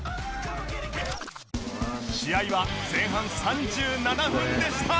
試合は前半３７分でした